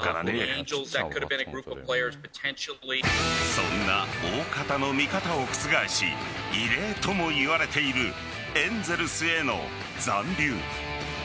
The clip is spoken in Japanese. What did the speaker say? そんな大方の見方を覆し異例ともいわれているエンゼルスへの残留。